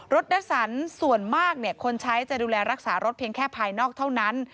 ดัสสันส่วนมากคนใช้จะดูแลรักษารถเพียงแค่ภายนอกเท่านั้น